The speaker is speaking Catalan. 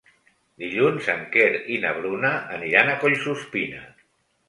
Dilluns en Quer i na Bruna aniran a Collsuspina.